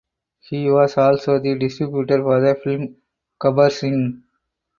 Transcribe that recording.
He was also the distributor for the film "Gabbar Singh".